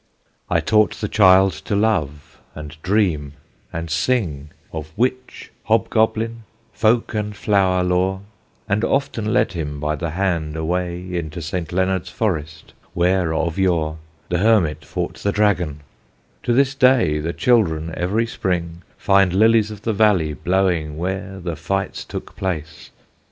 I taught the child to love, and dream, and sing Of witch, hobgoblin, folk and flower lore; And often led him by the hand away Into St. Leonard's Forest, where of yore The hermit fought the dragon to this day, The children, ev'ry Spring, Find lilies of the valley blowing where The fights took place.